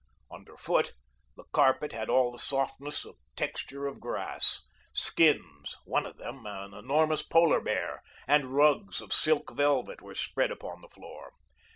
Under foot, the carpet had all the softness of texture of grass; skins (one of them of an enormous polar bear) and rugs of silk velvet were spread upon the floor.